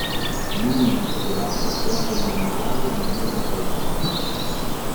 Lui, disperato, tenta di annegare ma viene salvato.